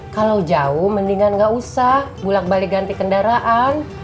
kalau jauh mendingan nggak usah bulat balik ganti kendaraan